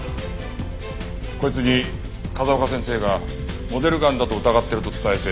こいつに風丘先生がモデルガンだと疑ってると伝えて。